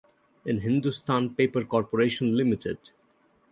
In Hindustan Paper Corporation Ltd.